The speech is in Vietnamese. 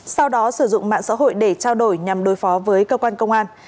sau đó sử dụng mạng xã hội để trao đổi nhằm đối phó với cơ quan công an